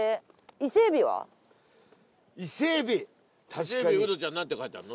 「伊勢エビ」ウドちゃん何て書いてあんの？